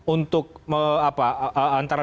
untuk apa antara